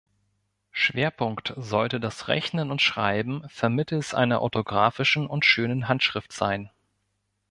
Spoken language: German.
Schwerpunkt sollte das „Rechnen und Schreiben vermittels einer orthographischen und schönen Handschrift“ sein.